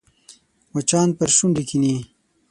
مچان پر شونډو کښېني